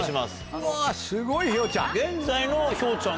うわすごいひょうちゃん。